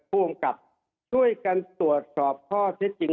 ภ่วงกับด้วยการตรวจสอบข้อเท็จจริง